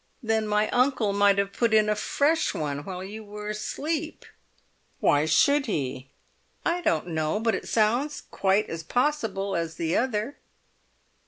"Then my uncle might have put in a fresh one while you were asleep." "Why should he?" "I don't know, but it sounds quite as possible as the other."